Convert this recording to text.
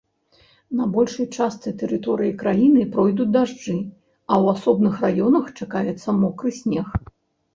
На большай частцы тэрыторыі краіны пройдуць дажджы, а ў асобных раёнах чакаецца мокры снег.